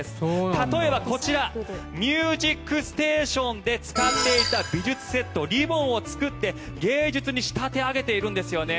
例えば、こちら「ミュージックステーション」で使っていた美術セットリボンを作って芸術に仕立て上げているんですよね。